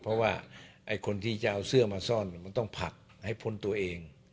เพราะว่าไอ้คนที่จะเอาเสื้อมาซ่อนมันต้องผลักให้พ้นตัวเอง